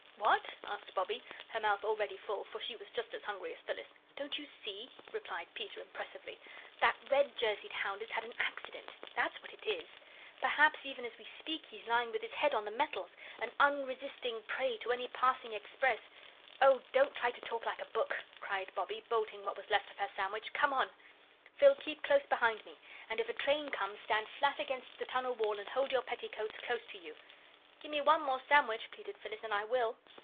"What?" asked Bobbie, her mouth already full, for she was just as hungry as Phyllis. "Don't you see," replied Peter, impressively, "that red jerseyed hound has had an accident that's what it is. Perhaps even as we speak he's lying with his head on the metals, an unresisting prey to any passing express " "Oh, don't try to talk like a book," cried Bobbie, bolting what was left of her sandwich; "come on. Phil, keep close behind me, and if a train comes, stand flat against the tunnel wall and hold your petticoats close to you." "Give me one more sandwich," pleaded Phyllis, "and I will."